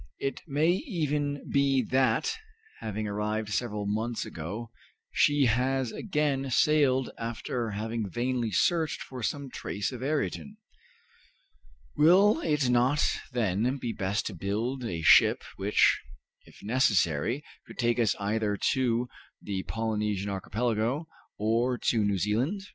It may even be that, having arrived several months ago, she has again sailed after having vainly searched for some trace of Ayrton. Will it not then be best to build a ship which, if necessary, could take us either to the Polynesian Archipelago or to New Zealand?